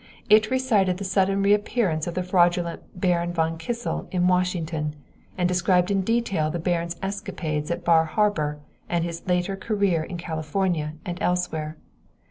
It recited the sudden reappearance of the fraudulent Baron von Kissel in Washington, and described in detail the baron's escapades at Bar Harbor and his later career in California and elsewhere.